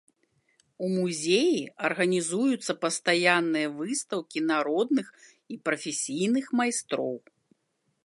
У музеі арганізуюцца пастаянныя выстаўкі народных і прафесійных майстроў.